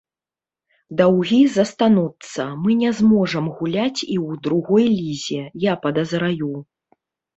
Даўгі застануцца, мы не зможам гуляць і ў другой лізе, я падазраю.